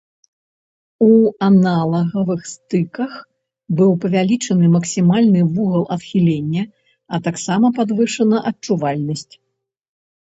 У аналагавых стыках быў павялічаны максімальны вугал адхілення, а таксама падвышана адчувальнасць.